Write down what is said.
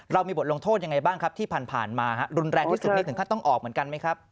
มีบทลงโทษยังไงบ้างครับที่ผ่านมารุนแรงที่สุดนี่ถึงขั้นต้องออกเหมือนกันไหมครับ